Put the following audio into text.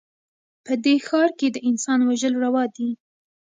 په دې ښـار کښې د انسان وژل روا دي